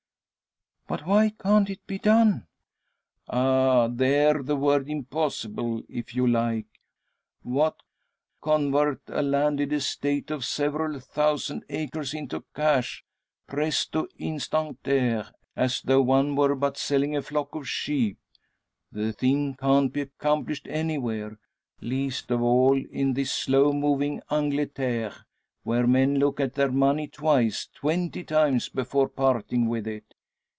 "But why can't it be done?" "Ah! There the word impossible, if you like. What! Convert a landed estate of several thousand acres into cash, presto instanter, as though one were but selling a flock of sheep! The thing can't be accomplished anywhere; least of all in this slow moving Angleterre, where men look at their money twice twenty times before parting with it.